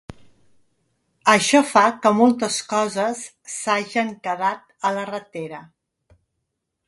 Això fa que moltes coses s’hagen quedat en la ratera.